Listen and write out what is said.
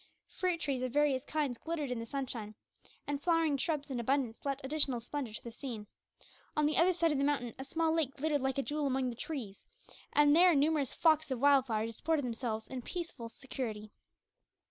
Fruit trees of various kinds glistened in the sunshine, and flowering shrubs in abundance lent additional splendour to the scene. On the other side of the mountain a small lake glittered like a jewel among the trees; and there numerous flocks of wild fowl disported themselves in peaceful security.